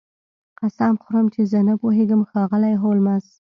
قسم خورم چې زه نه پوهیږم ښاغلی هولمز